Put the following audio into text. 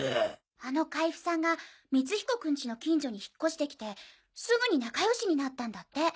あの海部さんが光彦君ちの近所に引っ越して来てすぐに仲良しになったんだって。